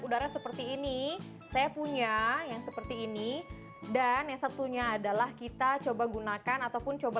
udara seperti ini saya punya yang seperti ini dan yang satunya adalah kita coba gunakan ataupun coba